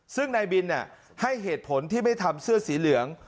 ซึ่งนายบินให้เหตุผลที่ไม่ทำเสื้อสีเหลือง